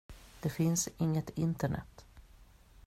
Det finns inget internet.